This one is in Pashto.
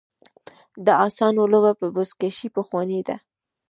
د اسونو لوبه یا بزکشي پخوانۍ ده